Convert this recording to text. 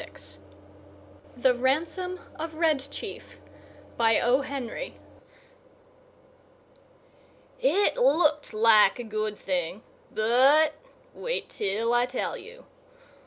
VIII THE RANSOM OF RED CHIEF It looked like a good thing: but wait till I tell you.